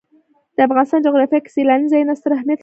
د افغانستان جغرافیه کې سیلانی ځایونه ستر اهمیت لري.